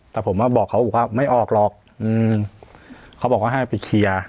แต่ผมมาบอกเขาบอกว่าไม่ออกหรอกอืมเขาบอกว่าให้ไปเคลียร์